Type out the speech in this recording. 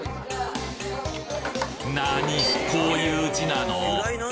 こういう字なの？